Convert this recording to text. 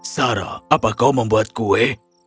sarah apa kau membuat kue